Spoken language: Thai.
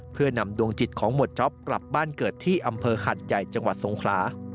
เพื่อนำดวงจิตของหมวดจ๊อปกลับบ้านเกิดที่อำเภอหัดใหญ่จังหวัดสงขลา